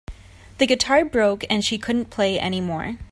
The guitar broke and she couldn't play anymore.